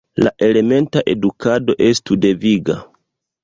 La elementa edukado estu deviga.